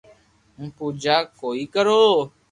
ھون پوجا ڪوئيي ڪرو